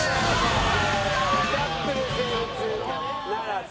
カップル成立ならず。